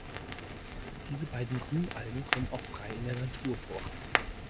Diese beiden Grünalgen kommen auch frei in der Natur vor.